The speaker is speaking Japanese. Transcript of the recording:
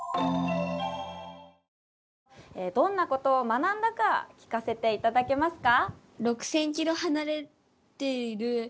どんなことを学んだか聞かせていただけますか？